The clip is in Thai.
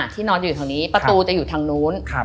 ที่นอนอยู่ทางนี้ประตูจะอยู่ทางนู้น